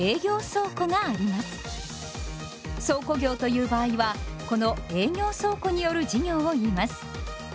倉庫業という場合はこの営業倉庫による事業をいいます。